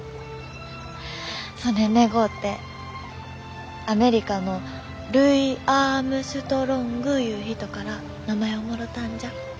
そねん願うてアメリカのルイ・アームストロングいう人から名前をもろたんじゃ。